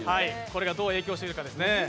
これがどう影響してくるかですね。